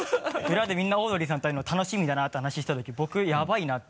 裏でみんなオードリーさんと会えるの楽しみだなって話した時僕ヤバイなって。